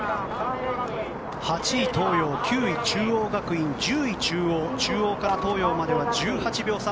８位、東洋９位、中央学院１０位、中央中央から東洋まで１８秒差。